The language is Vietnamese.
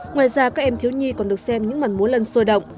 ngoài ra các em thiếu nhi còn được xem những màn múa lân sôi động